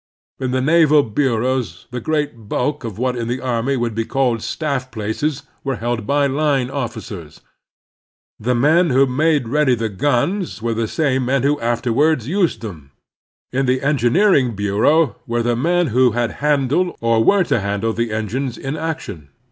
In the naval bureaus the great bulk of what in the army would be called staff places are held by line officers. The men who made ready the guns were the same men who after ward used them. In the Engineering Btu eau were the men who had handled or were to handle the engines in action.